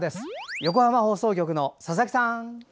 横浜放送局の佐々木さん。